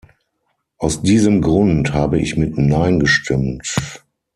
Aus diesem Grund habe ich mit Nein gestimmt.